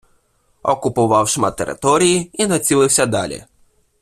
Окупував шмат території і націлився далі.